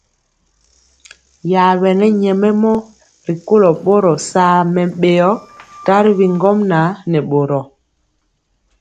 Yabɛne nyɛmemɔ rikolo boro saa mɛbeo tari bi ŋgomnaŋ nɛ boro.